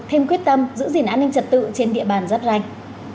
thêm quyết tâm giữ gìn an ninh trật tự trên địa bàn rất rành